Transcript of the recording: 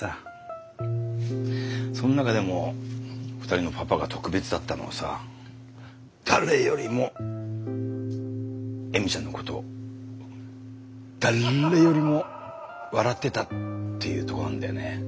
そん中でも２人のパパが特別だったのはさ誰よりも恵美ちゃんのことだっれよりも笑ってたっていうとこなんだよね。